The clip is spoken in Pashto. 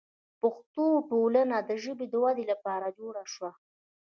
پښتو ټولنه د ژبې د ودې لپاره جوړه شوه.